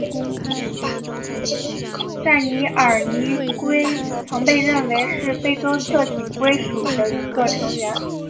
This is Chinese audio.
塞舌耳泥龟曾被认为是非洲侧颈龟属的一个成员。